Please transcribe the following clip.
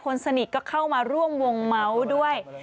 คนสนิทก็เข้ามาร่วมวงเมาส์ด้วย